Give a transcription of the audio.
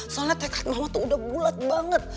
soalnya tekad mama tuh udah bulat banget